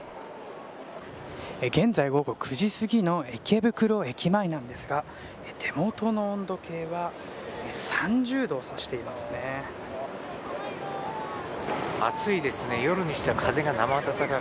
現在、午後９時すぎの池袋駅前なんですが手元の温度計は３０度を指していますね。